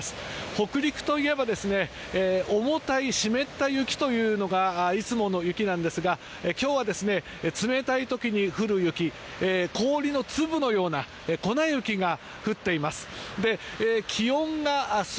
北陸といえば重たい湿った雪というのがいつもの雪なんですが今日は、冷たい時に降る雪氷の粒のような粉雪が降っています。